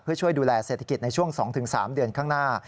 เพื่อช่วยดูแลเศรษฐกิจในช่วง๒๓เดือนข้างหน้า